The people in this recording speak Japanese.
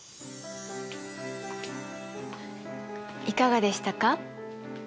いかがでしたか？